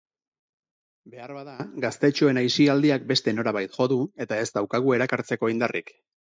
Beharbada gaztetxoen aisialdiak beste norabait jo du eta ez daukagu erakartzeko indarrik.